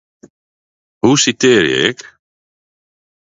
Hoe sitearje ik?